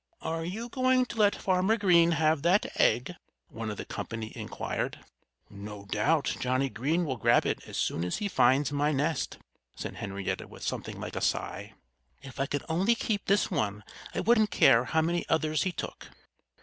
"Are you going to let Farmer Green have that egg?" one of the company inquired. "No doubt Johnnie Green will grab it as soon as he finds my nest," said Henrietta with something like a sigh. "If I could only keep this one I wouldn't care how many others he took."